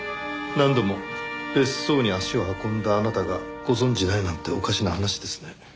何度も別荘に足を運んだあなたがご存じないなんておかしな話ですね。